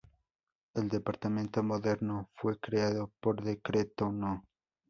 El departamento moderno fue creado por decreto No.